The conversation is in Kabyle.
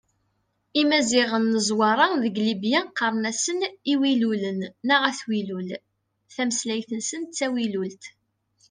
Imaziɣen n Zwaṛa deg Libya qqaren-asen Iwilulen neɣ At Wilul, tameslayt-nsen d tawilult.